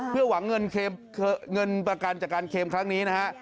เพื่อหวังเงินประกันจากการเคมครั้งนี้นะฮะ